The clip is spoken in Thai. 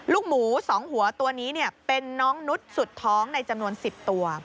ลูกหมู๒หัวตัวนี้เป็นน้องนุษย์สุดท้องในจำนวน๑๐ตัว